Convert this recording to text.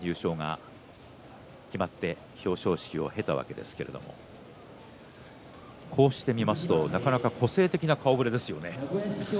こうして十両以下各段の優勝が決まって表彰式を経たわけですけれども、こうして見ますとなかなか個性的な顔ぶれですよね。